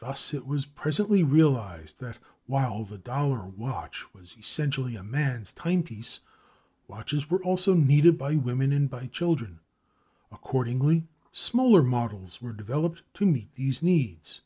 Thus, it was presently realized that while the dollar watch was essentially a man's timepiece, watches were also needed by women and by children. Accordingly, smaller models were developed to meet these needs.